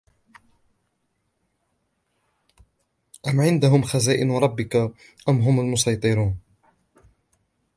أم عندهم خزائن ربك أم هم المصيطرون